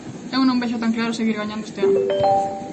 Eu non vexo tan claro seguir gañando este ano.